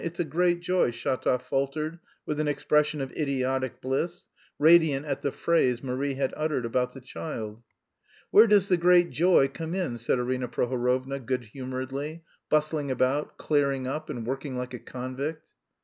It's a great joy," Shatov faltered with an expression of idiotic bliss, radiant at the phrase Marie had uttered about the child. "Where does the great joy come in?" said Arina Prohorovna good humouredly, bustling about, clearing up, and working like a convict.